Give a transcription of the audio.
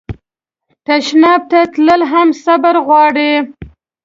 تشناب ته تلل هم صبر غواړي.